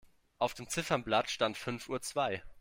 Auf dem Ziffernblatt stand fünf Uhr zwei.